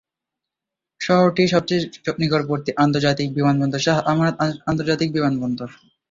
শহরটির সবচেয়ে নিকটবর্তী আন্তর্জাতিক বিমানবন্দর শাহ আমানত আন্তর্জাতিক বিমানবন্দর।